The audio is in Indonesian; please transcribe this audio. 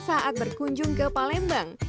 saat berkunjung ke palembang